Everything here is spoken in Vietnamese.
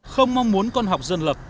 không mong muốn con học dân lập